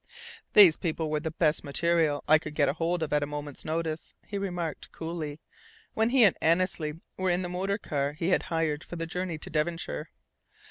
"These people were the best material I could get hold of at a moment's notice," he remarked, coolly, when he and Annesley were in the motor car he had hired for the journey to Devonshire.